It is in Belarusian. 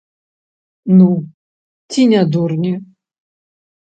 Ну, ці не дурні?